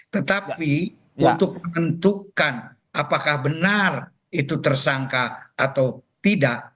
tetapi untuk menentukan apakah benar itu tersangka atau tidak